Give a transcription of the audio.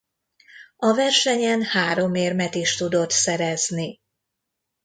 A versenyen három érmet is tudott szerezni.